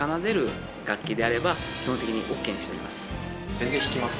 全然弾きます。